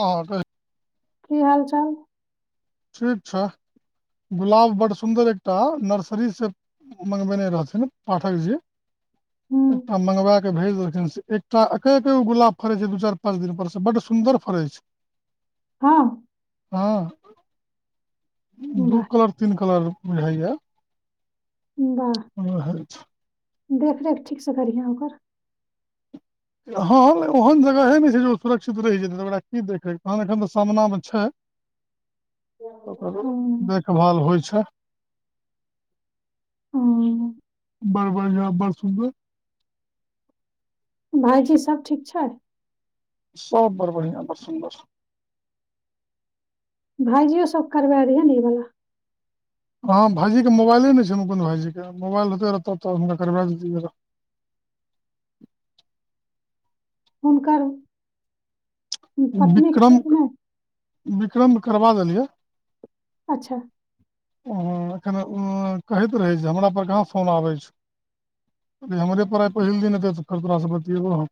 ह कहि की हाल चाल ठीक छै गुलाब बड्ड सुन्दर एकटा नर्सरी से मंगबेने रहथिन पाठक जी हूँ एकटा मंगवय के भेज देलखिन एकटा एके एकेगो गुलाब फड़े छै दू चारि पाँच दिन पर से बड्ड सुन्दर सुन्दर फड़ै छै हँ हँ दू वाह कलर तीन कलर रहययै उहू देखरेख ठीकसँ करिहे ओकर हँ ओहन जगहे नहि छै जे ओ सुरक्षित रहि जेतै तऽ ओकरा की देखै तहन एखन तऽ सामनामे छै ओ हँ, देखभाल होइ छै अच्छै हँ, बड्ड बढिया बड्ड सुन्दर भाइजी सब ठीक छै सब बड़ बढ़िआ बस सुन्दर भायजी ओ सब करबै दि हैं ने ई वला हँ भाइजीके मोबाइल नहि छनि अपन भाइजीके मोबाइल रहतय रहय तब तऽ हुनका करबै देतियै रहऽ [inaudible] हुनकर पत्नीक छै विक्रम कि नहि विक्रम करबा देलियै अच्छा खन कहैत रहय छै हमरापर कहाँ फोन आबै छौ अरे हमरे पढ़ाइ पहिल दिन हेतै तऽ तोरासँ बतियेबो हम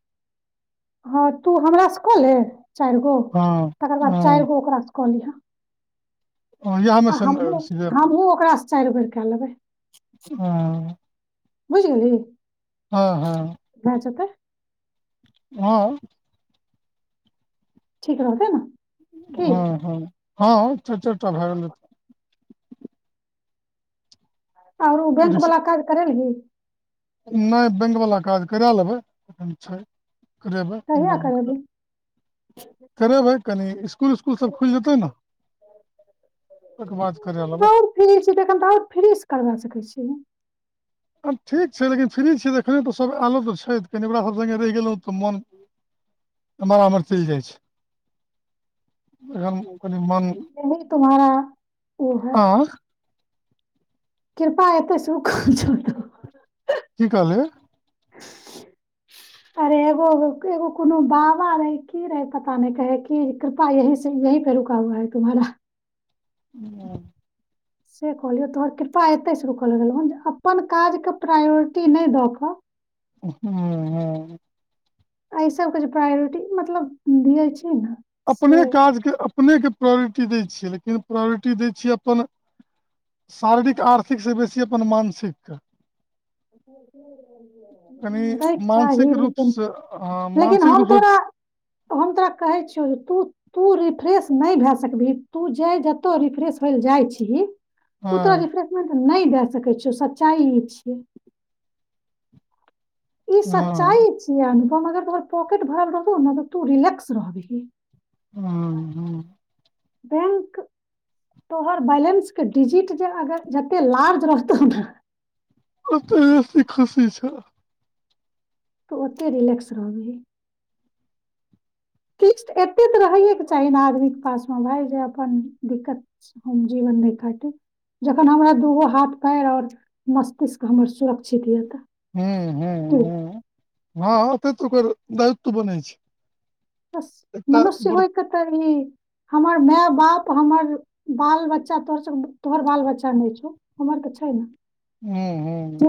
हँ तू हमरा से कऽ ले चारि गो हँ तकर बाद चारि हँ गो ओकारा सँ कऽ ली हैं हँ इएह मे आ सन हमहूँ सीधे हमहूँ ओकरासँ चारि बेर कए लेबै हँ बुझि गेलहि हँ हँ हँ ठीक रहतै न हां हां हां चारि चारिटा भए गेल आर ओ बैंक वला काज करयलहि नई बैंकवला काज करा लेबै एखन छै करेबै कहिया बाद में कराएब करेबही करेबै कनि स्कुल उस्कुल सभ खुलि जेतै न आओर फ्री छी तखन तऽ आओर फ्रीसँ करबा सकै छी ना आब ठीक छैइ लेकिन फ्री छी तखन तऽ सब आएलो तऽ छैइ कनि ओकरा सभ सङ्गे रहि गेलहुँ तऽ मन इम्हर आम्हर चलि जाइ छैइ एखन कनि मन यही तुम्हारा ओ है आ कृपा एतै से सुख छो की कहलिअइ अरे एगो एगो एगो कोनो बाबा रहैइ के रहैइ पता नई कहैइ कि कृपा यहि से यही पर रुका हुआ है तुम्हारा [unintelligible] से कहलियौ तोहर कृपा ऐतइ से रूकल रहलौ जे अपन काजके प्रायोरिटी नहि दऽ कऽ हँ हँ अइ सबके जे प्रायोरिटी मतलब दैय छै अपने काजके अपनेके प्रायोरिटी दै छियै लेकिन प्रायोरिटी दै छियै अपन शारीरिक आर्थिक से बेसी अपन मानसिक दैके चाही मानसिक लेकिन रूपसँ हँ लेकिन मानसिक हम रूपसँ तोरा हम तोरा कहय छियौ तू तू रिफ्रेश नहि भए सकबीही तू जै जत रिफ्रेश होइ लए जाइ छीही ओ हँ तोरा रिफ्रेशमेंट नहि दए सकै छौ सच्चाई ई छियै ई हँ सच्चाई छियै अनुपम अगर तोहर पॉकेट भरल रहतौ ने तऽ तू रिलैक्स रहबीही ह ह बैंक तोहर बैलेंसके डिजिट जे अगर जते लार्ज रहतौ न तैंऽसे खसै छैं तऽ ओते रिलैक्स रहबीही [inaudible] किछ एते तऽ रहैएके चाही ने आदमीके पासमे भाई जे अपन दिक्कत अपन जीवन मे देखअ त जखन हमरा दूगो हाथ पैर और मस्कूष्क हमर सुरक्षित य त हूँ हूँ हूँ हअ ओतेक तऽ ओकर दायित्व बनैइ छैइ मनुष्य होय क त ई हमर माय बाप हमर बाल बच्चा तोहर सबक तोहर बाल बच्चा नई छौ हमर तऽ छैइ न हूँ हूँ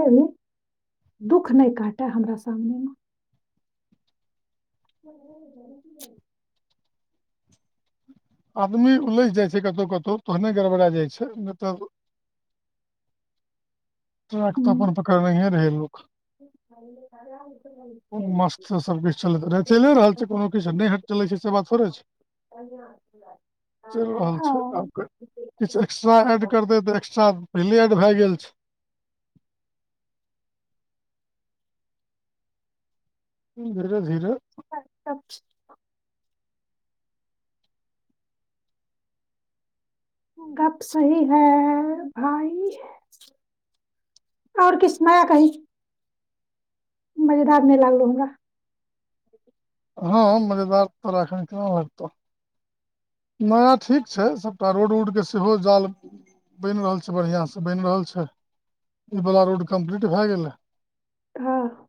दुःख नई काटै हमरा सामने मे [unintelligible] आदमी उलझि जाइ छैइ कतहु कतहु तहने गड़बरेय जाइ छैइ नई तऽ ट्रैक तऽ हूँ अपन पकड़नहे रहय लोक मस्तसँ सभकिछु चलैत चलिए रहल छैइ कोनो किछु नए चलैत छैइ से बात थोड़े छैइ [unintelligible] चलि रहल छैइ ओ आब किछु एकस्ट्रा एड कर देै तऽ एकट्रा पहिले एड भेय गेल छैइ धीरे धीरे [unintelligible] गप्प सही है भाई ओर किछ नया कही मजेदार नै लागलउ हमरा हाँ मजेदार तऽ एखैन केना लागतो नया ठीक छै सबटा रोड उडके सेहो जाल बनि रहल छै बढ़िया स बइन रहल छै ईवला रोड कम्प्लीट भए गेलै हाँ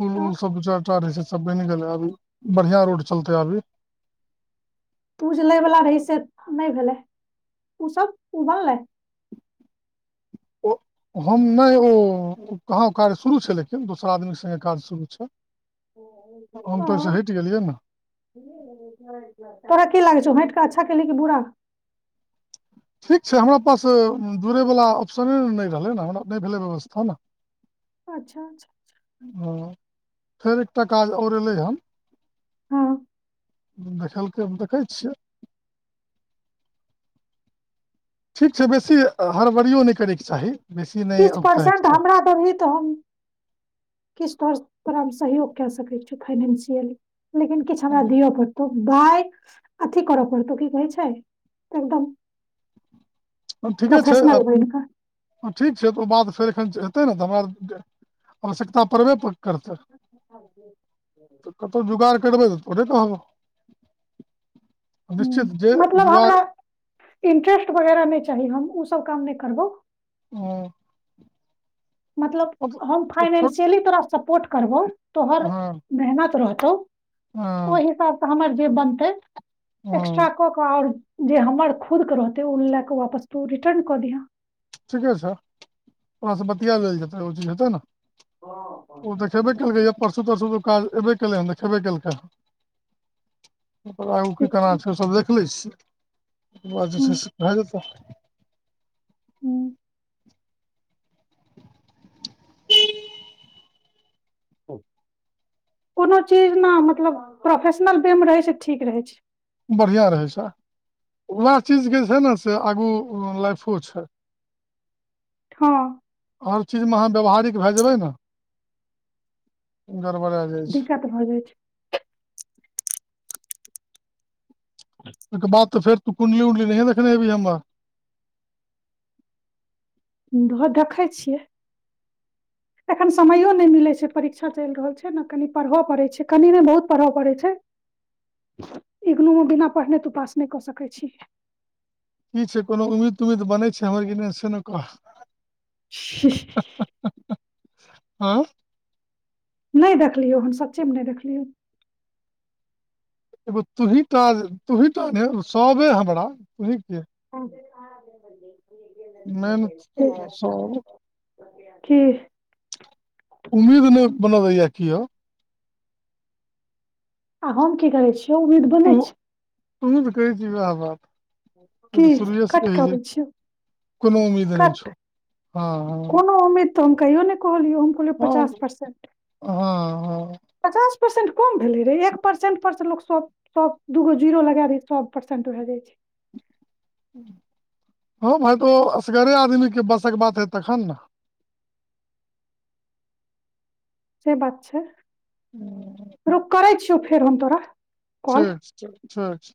पुल उल सब दू चार टा रहै से सभ बइन गेलै अभी बढ़ियां रोड चलतै अभी तू जे लयवला रही से नहि भेलै उसब उबै ओ हम नहि ओ कहाँ कार्य शुरू छै लेकिन दोसर आदमीके संगे काज शुरू छै हम तऽ ओहिसँ हटि गेलियै ने तोरा की लागै छो अच्छा केली कि बुरा ठीक हमरा पास दूड़यवला ऑप्शने नहि रहलै ने हमरा नहि भेलै व्यवस्था न अच्छा अच्छा फेर एकटा काज ओर एलै हन हाँ देखलक देखै छियै ठीक छै बेसी हड़बरीयो नइ करयके चाही बेसी नहि किछु औगतायके परर्सेंट हमरा देबही तऽ हम किछु तोहर तोरा हम सहयोग कए सकैत छी फाइनेशियल लेकिन किछ हमरा दिअ पड़तौ बाय अथी कर पड़तो की कहै छै एकदम ठीके छै प्रोफेशनल बनि कऽ अब ठीक छै त ओ बात फेर एखन हेतै ने तऽ हमरा आवश्यकता पड़बे करतै तऽ कतहु जुगाड़ करबै तऽ थोरे कहबौ ह मतलब हमरा इंट्रेस्ट वगैरह नहि चाही हम ऊ सब काम नइ करबौ हाँ मतलब हम छोट फाइनेशियली तोरा सपोर्ट करबौ तोहर हँ मेहनत रह तौ हँ ओहि हिसाबसे हमर जे बनतै हँ एक्स्ट्रा कऽ क ओर जे हमर खुदके रहतै ओ लए कऽ वापस तू रिटर्न कऽ दिहे ठीके छै ओकरा सॅ बतिया लेल जेतै ओ चीज हेतै ने ओ देखे बे कैलकै यै परसू सुतू सुतू काज एबे केलै हन त खेबे केलकै हन ओकर आगू की केना छै सब देख लए छियै ओकर बाद जे हूँ छै से भए जेतै ह्म [unintelligible] कोनो चीज ने मतलब प्रोफेशनल बे मे रहय छै ठीक रहय छै बढ़ियां रहय छै उएह चीजके जे छै ने से आगू लाइफो छै ह हर चीजमे अहाँ व्यवहारिक भए जेबै ने गड़बड़ा जाइ छै दिक्कत भऽ जाइ छै ओइके बादऽ फेर तू कुंडली ऊंडली नहिए देखने हेबहिं हमर द देखै छियै [inaudible] एखन समयो नहि मिलै छै परीक्षा चलि रहल छै ने कनि पढ़बय पड़ै छै कनि नहि बहुत पढ़य पड़य छै इग्नूमे बिना पढ़ने तो पास नहि कऽ सकैत छी की छै कोनो उम्मीद तुम्मीद बनै छै हमर कि ने से न कह ऐं नहि देखलियौ हन सच्चेमे नहि देखलियौ एगो तोहिटा तोहिटा ने सबे हमरा तुही के फेर काज देखल जेतै मेन तूं सब की उम्मीद नहि बनय दैए किओ आ हम की करय छियै उम्मीद बनय तू छी तू तऽ कहै छी वएह बात तू की तऽ शुरूए से कट कहय छीही करै छियै कोनो उम्मीद नहि छौ हँ हँ ई तऽ हम कहियो नहि कहलियौ हम कहलियौ पचास हँ परर्सेंट हँ हँ पचास परर्सेंट कम भेलै रे एक परसेंट पर सँ लोक सौ सौ दूगो जीरो लगए दहि सौ परसेंट भए जाइ छै [inaudible] हँ भाय तऽ असगरे आदमीके बसक बात हैत तखन [inaudible] से बात छै हूँ, रुट करय छियौ फेर हम तोरा कॉल ठीक छै ठीक ठीक छै